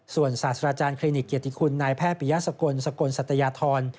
ส่วนศาสตราจารย์คลินิกเกียรติคุณนายแพทย์ปริยสกลสกลสัตยธร